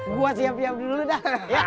gue siap siap dulu dah